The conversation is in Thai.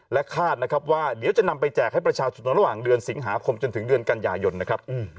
และคาดนะครับว่าเดี๋ยวจะนำไปแจกให้ประชาชนระหว่างเดือนสิงหาคมจนถึงเดือนกันยายนนะครับ